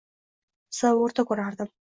Tasavvurda ko’rardim.